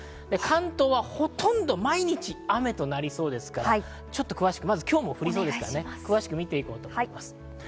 関東はほとんど毎日雨となりそうですから、ちょっと詳しく、今日も降りそうですから見て行こうと思います。